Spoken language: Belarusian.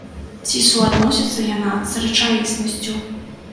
Ці суадносіцца яна з рэчаіснасцю?